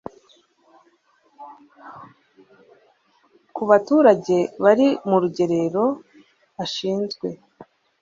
ku baturage bari mu rugerero ashinzwe